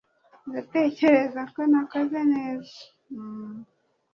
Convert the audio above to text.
ndatekereza ko nakoze neza